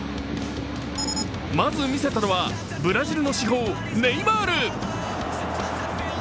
まず見せたのは、ブラジルの至宝・ネイマール。